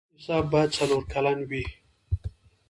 نصاب باید څلور کلن وي.